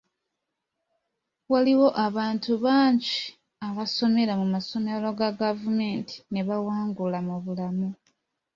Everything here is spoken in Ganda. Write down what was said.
Waliwo abantu bangi abasomera mu masomero ga gavumenti ne bawangula mu bulamu.